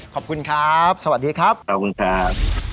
ขอบคุณครับสวัสดีครับขอบคุณครับ